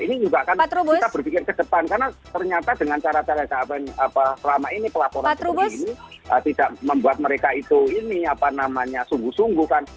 ini juga kan kita berpikir ke depan karena ternyata dengan cara cara selama ini pelaporan seperti ini tidak membuat mereka itu ini apa namanya sungguh sungguh kan